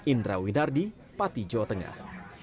indra winardi pati jawa tengah